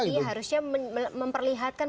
dia harusnya memperlihatkan